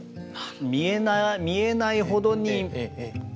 見えないほどにクリア。